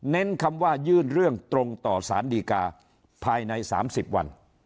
คำว่ายื่นเรื่องตรงต่อสารดีกาภายใน๓๐วัน